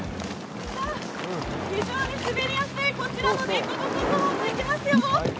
非常に滑りやすいこちらの凸凹ゾーンいきますよ。